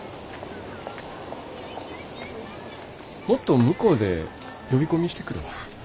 もっと向こうで呼び込みしてくるわ。